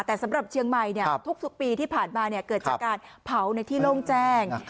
แต่สำหรับเชียงใหม่ทุกปีที่ผ่านมาเกิดจากการเผาในที่โล่งแจ้ง